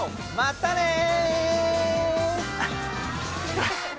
またね！